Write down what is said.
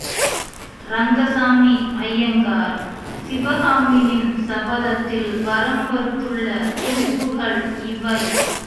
ரங்கசாமி ஐயங்கார் சிவகாமியின் சபத த்தில் வரம்பறுத்துள்ள குறிப்புக்கள் இவை.